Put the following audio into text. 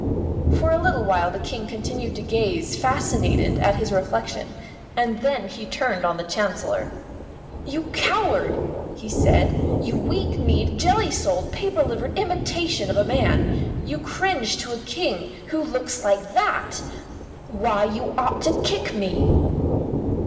For a little while the King continued to gaze fascinated at his reflection, and then he turned on the Chancellor. "You coward!" he said. "You weak kneed, jelly souled, paper livered imitation of a man! You cringe to a King who looks like that! Why, you ought to kick me."